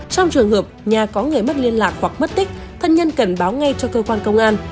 trong trường hợp nhà có người mất liên lạc hoặc mất tích thân nhân cần báo ngay cho cơ quan công an